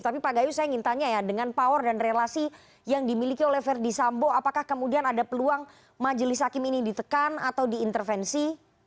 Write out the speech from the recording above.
tapi pak gayu saya ingin tanya ya dengan power dan relasi yang dimiliki oleh verdi sambo apakah kemudian ada peluang majelis hakim ini ditekan atau diintervensi